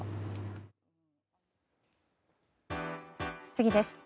次です。